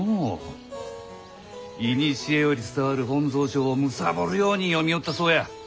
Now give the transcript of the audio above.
いにしえより伝わる本草書をむさぼるように読みよったそうや。